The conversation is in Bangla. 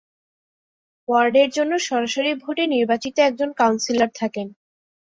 ওয়ার্ডের জন্য সরাসরি ভোটে নির্বাচিত একজন কাউন্সিলর থাকেন।